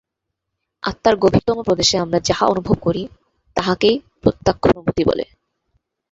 আত্মার গভীরতম প্রদেশে আমরা যাহা অনুভব করি, তাহাকেই প্রত্যক্ষানুভূতি বলে।